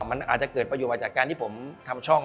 มันอาจจะเกิดประโยชนมาจากการที่ผมทำช่อง